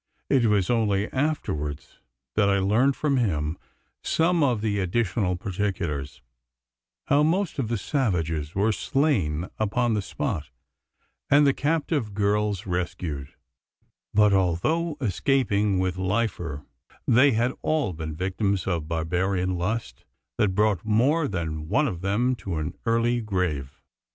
It was only afterwards that I learnt from him some additional particulars: how most of the savages were slain upon the spot, and the captive girls rescued; but, although escaping with lifer they had all been the victims of barbarian lust, that brought more than one of them to an early grave!